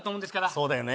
そうだよね。